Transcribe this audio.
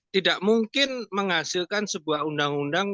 tidak mungkin menghasilkan sebuah undang undang